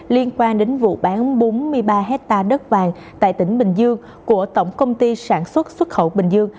liên quan đến vụ bán bốn mươi ba hectare đất vàng tại tỉnh bình dương của tổng công ty sản xuất xuất khẩu bình dương